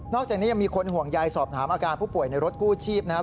อกจากนี้ยังมีคนห่วงใยสอบถามอาการผู้ป่วยในรถกู้ชีพนะครับ